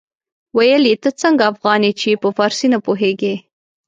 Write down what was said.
ويل يې ته څنګه افغان يې چې په فارسي نه پوهېږې.